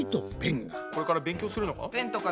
これから勉強するのか？